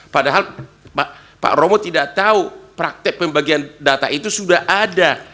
padahal pak romo tidak tahu praktek pembagian data itu sudah ada